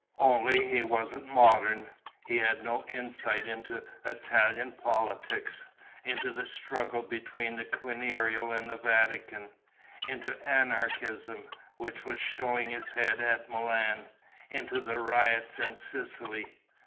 Only, he wasn't modern. He had no insight into Italian politics, into the struggle between the Quirinal and the Vatican, into anarchism, which was showing its head at Milan, into the riots in Sicily....